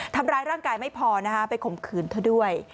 ทำร้ายร่างกายไม่พอนะคะไปข่มขืนเธอด้วย